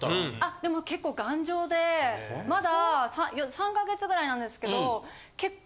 でも結構頑丈でまだ３か月ぐらいなんですけど結構。